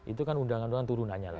itu kan undangan undangan turunannya